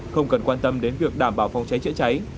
không cần quan tâm đến việc đảm bảo phòng cháy chữa cháy